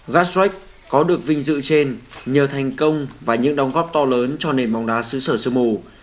gatstrack có được vinh dự trên nhờ thành công và những đóng góp to lớn cho nền bóng đá sử sở sư mù